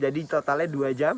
jadi totalnya dua jam